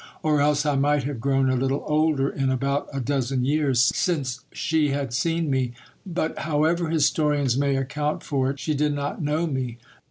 or else I might have grown a little older in about a dozen years since she had seen me .... but however historians may account for it, she did not know me.